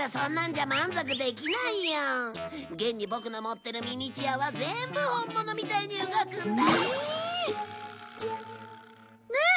現にボクの持ってるミニチュアは全部本物みたいに動くんだ！ね！